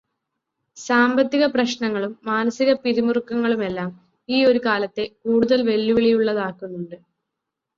സാമ്പത്തികപ്രശ്നങ്ങളും മാനസികപിരിമുറുക്കങ്ങളുമെല്ലാം ഈ ഒരു കാലത്തെ കൂടുതൽ വെല്ലുവിളിയുള്ളതാക്കുന്നുണ്ട്.